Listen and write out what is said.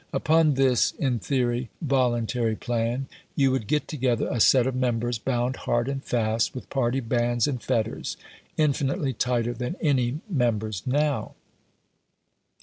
Upon this (in theory) voluntary plan, you would get together a set of members bound hard and fast with party bands and fetters, infinitely tighter than any members now.